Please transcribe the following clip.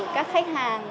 các khách hàng